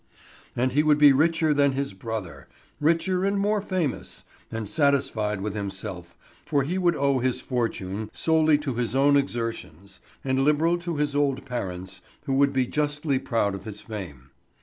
And he would be richer than his brother, richer and more famous; and satisfied with himself, for he would owe his fortune solely to his own exertions; and liberal to his old parents, who would be justly proud of his fame.